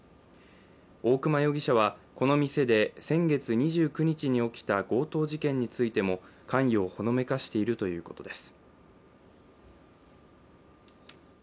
大熊容疑者はこの店で先月２９日に起きた強盗事件についても関与をほのめかしているということです。